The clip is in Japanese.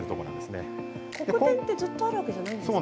黒点ってずっとあるわけじゃないんですよね？